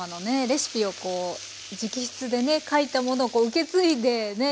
レシピをこう直筆でね書いたものを受け継いでね